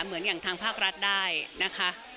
เหมือนอย่างทางภาครัฐได้นะคะ